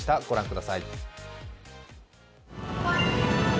御覧ください。